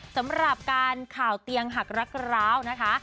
สำหรับการข่าวเตียงหักรักร้าวนะคะ